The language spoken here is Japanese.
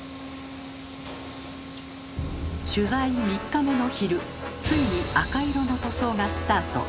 取材３日目の昼ついに赤色の塗装がスタート。